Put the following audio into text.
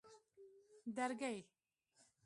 درگۍ